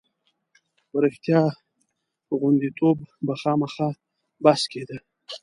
په رښتیا غوندېتوب به خامخا بحث کېده.